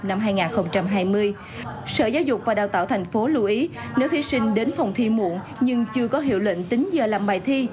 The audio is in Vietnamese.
năm hai nghìn hai mươi sở giáo dục và đào tạo tp lưu ý nếu thí sinh đến phòng thi muộn nhưng chưa có hiệu lệnh tính giờ làm bài thi